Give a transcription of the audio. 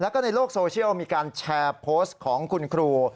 แล้วก็ในโลกโซเชียลมีการแชร์โพสต์ของคุณครู